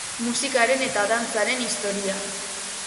Musikaren eta Dantzaren Historia